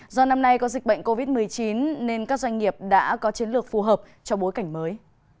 do năm nay có dịch bệnh covid một mươi chín nên các doanh nghiệp đã có chiến lược phù hợp cho bối cảnh mới